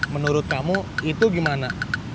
menurut kamu itu gimana